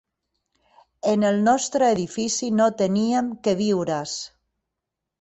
En el nostre edifici no teníem queviures